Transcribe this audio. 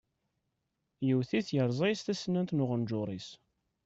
Yewwet-it yerẓa-as tasennant n uɣenjuṛ-is.